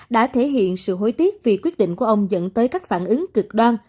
đã thể hiện sự hối tiếc vì quyết định của ông dẫn tới các phản ứng cực đoan